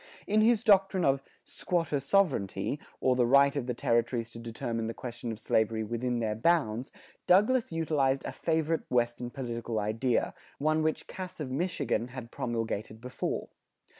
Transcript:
In his doctrine of "squatter sovereignty," or the right of the territories to determine the question of slavery within their bounds, Douglas utilized a favorite Western political idea, one which Cass of Michigan had promulgated before.